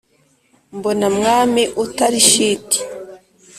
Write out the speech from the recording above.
mbona mwami utari shiti